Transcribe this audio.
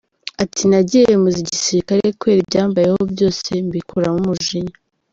Ati “Nagiye mu gisirikare kubera ibyambayeho byose, mbikuramo umujinya.